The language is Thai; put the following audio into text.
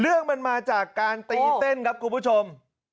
เรื่องมันมาจากการตีเต้นครับคุณผู้ชม